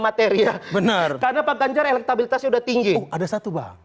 materi ya benar karena pak ganjar elektabilitasnya udah tinggi oh ada satu bang